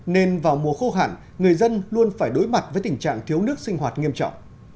nên vào mùa khô hẳn người dân luôn phải đối mặt với tình trạng thiếu nước sinh hoạt nghiêm trọng